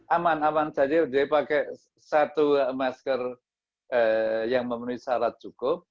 aman aman saja dia pakai satu masker yang memenuhi syarat cukup